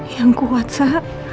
yang kuat sa